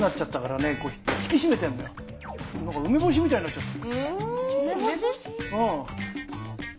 梅干しみたいになっちゃった。